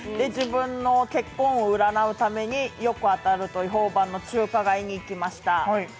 自分の結婚運を占うためによく当たると評判の中華街に行きました。